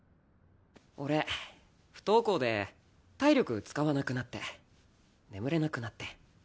俺不登校で体力使わなくなって眠れなくなって。